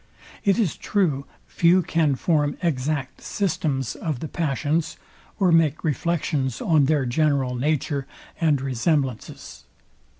It is true, few can form exact systems of the passions, or make reflections on their general nature and resemblances.